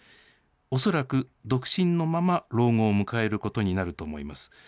恐らく独身のまま、老後を迎えることになると思います。